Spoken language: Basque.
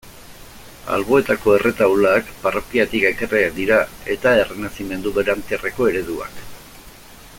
Alboetako erretaulak parrokiatik ekarriak dira eta errenazimendu berantiarreko ereduak.